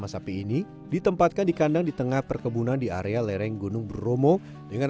sapi ini ditempatkan di kandang di tengah perkebunan di area lereng gunung bromo dengan